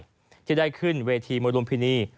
ที่ได้ขึ้นเวทีมวยลุมพินี